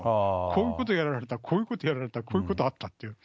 こういうことやられた、こういうことやられた、こういうことあったって。